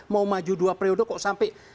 mau maju dua periode kok sampai